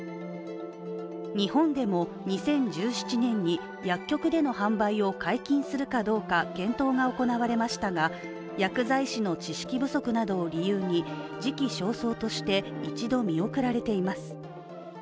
日本でも２０１７年に、薬局での販売を解禁するかどうか検討が行われましたが薬剤師の知識不足などを理由に時期尚早として一度見送られています。